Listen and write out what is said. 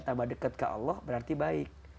tama dekat ke allah berarti baik